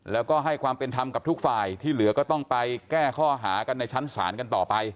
แล้วก็ให้ความเป็นธรรมกับทุกฝ่ายที่เหลือก็ต้องไปแก้ข้อหากันในชั้นศาลกันต่อไป